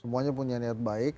semuanya punya niat baik